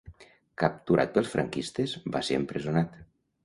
Capturat pels franquistes, va ser empresonat.